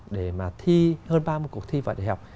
để mà thi hơn ba mươi cuộc thi vào đại học